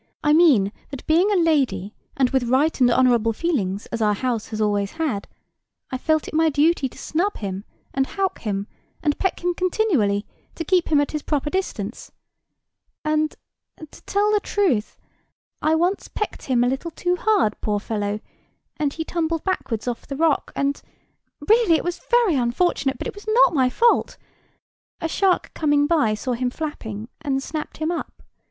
I mean, that being a lady, and with right and honourable feelings, as our house always has had, I felt it my duty to snub him, and howk him, and peck him continually, to keep him at his proper distance; and, to tell the truth, I once pecked him a little too hard, poor fellow, and he tumbled backwards off the rock, and—really, it was very unfortunate, but it was not my fault—a shark coming by saw him flapping, and snapped him up.